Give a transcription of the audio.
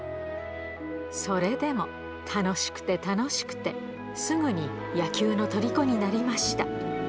それでも楽しくて楽しくてすぐに野球のとりこになりました。